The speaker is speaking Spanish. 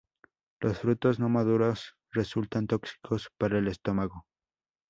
Los frutos no maduros resultan tóxicos para el estómago.